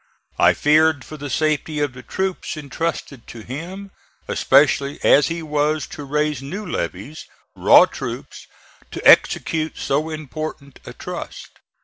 I feared for the safety of the troops intrusted to him, especially as he was to raise new levies, raw troops, to execute so important a trust.